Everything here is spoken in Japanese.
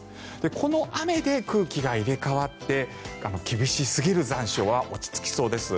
この雨で空気が入れ替わって厳しすぎる残暑は落ち着きそうです。